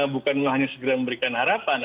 bukan hanya segera memberikan harapan